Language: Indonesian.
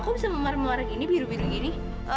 kok bisa memaruh maruh warna gini biru biru gini